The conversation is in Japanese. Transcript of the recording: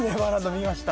見ました